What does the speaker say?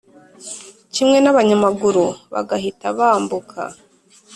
kimwe n'abanyamaguru bagahita bambuka.